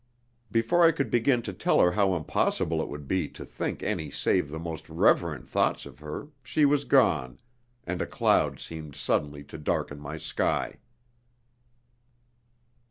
Before I could begin to tell her how impossible it would be to think any save the most reverent thoughts of her she was gone, and a cloud seemed suddenly to darken my sky.